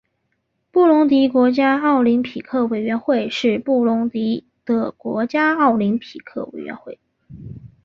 布隆迪国家奥林匹克委员会是布隆迪的国家奥林匹克委员会。